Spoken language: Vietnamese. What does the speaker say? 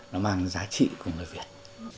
nó mang những cái giá trị của người việt